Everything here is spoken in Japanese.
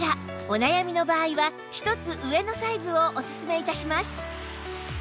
お悩みの場合は１つ上のサイズをおすすめ致します